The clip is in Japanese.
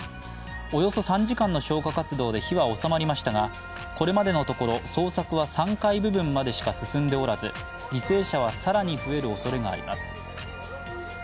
およそ３時間の消火活動で火はおさまりましたが、これまでのところ捜索は３階部分までしか進んでおらず犠牲者は更に増えるおそれがあります。